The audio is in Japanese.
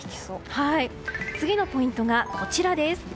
次のポイントがこちらです。